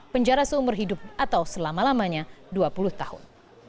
penjara seumur hidup atau selama lamanya dua puluh tahun